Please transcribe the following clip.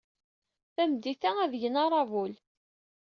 Tameddit-a, ad d-gen aṛabul.